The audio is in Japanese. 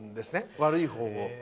悪い方に。